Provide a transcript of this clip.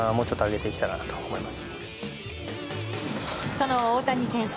その大谷選手。